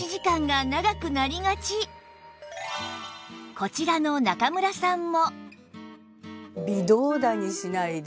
こちらの中村さんも